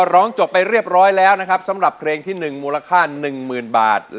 เลงที่๑นะครับมูรค่า๑หมื่นบาท